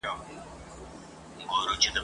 دغه لمر، دغه سپوږمۍ وه ..